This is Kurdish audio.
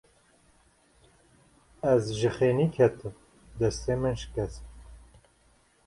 Ez ji xênî ketim, destê min şikest.